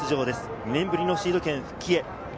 ２年ぶりのシード権復帰へ。